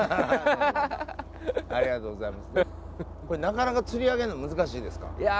これなかなか釣り上げるの難しいですか？